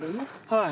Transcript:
はい。